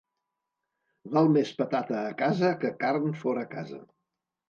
Val més patata a casa que carn fora casa.